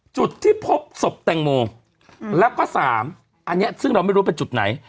จุดที่พบศพแตงโมแล้วก็สามอันนี้ซึ่งเราไม่รู้เป็นจุดไหน